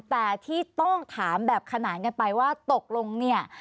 แต่ที่ต้องถามแบบขนานกันไปว่าตกลงเนี่ย